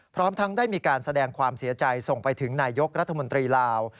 พร้อมทั้งได้มีการแสดงความเสียใจส่งไปถึงนายกรัฐมนตรีลาว